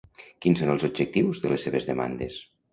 Quins són els objectius de les seves demandes?